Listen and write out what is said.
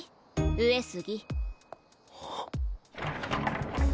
上杉